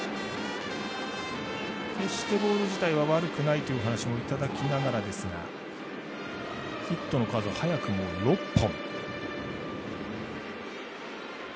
決してボール自体は悪くないというお話をいただきながらですがヒットの数は早くも６本。